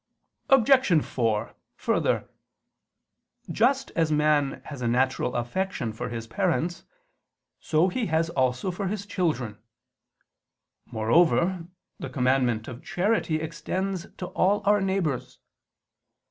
Obj. 4: Further, just as man has a natural affection for his parents, so has he also for his children. Moreover the commandment of charity extends to all our neighbors.